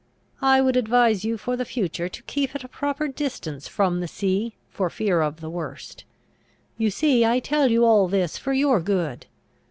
I would advise you, for the future, to keep at a proper distance from the sea, for fear of the worst. You see I tell you all this for your good.